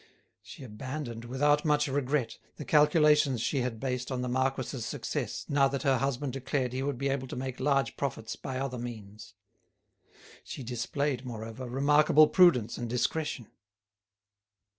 She abandoned, without much regret, the calculations she had based on the marquis's success now that her husband declared he would be able to make large profits by other means. She displayed, moreover, remarkable prudence and discretion.